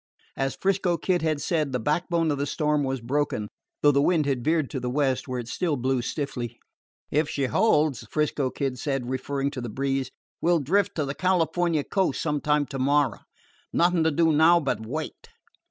As 'Frisco Kid had said, the backbone of the storm was broken, though the wind had veered to the west, where it still blew stiffly. "If she holds," 'Frisco Kid said, referring to the breeze, "we 'll drift to the California coast sometime to morrow. Nothing to do now but wait."